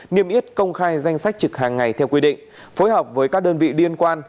niêm yết công khai danh sách trực hàng ngày theo quy định phối hợp với các đơn vị liên quan